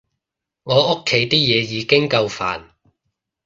我屋企啲嘢已經夠煩